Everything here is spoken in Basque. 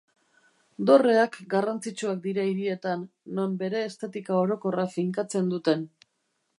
Dorreak garrantzitsuak dira hirietan, non bere estetika orokorra finkatzen duten.